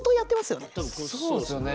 そうっすよね。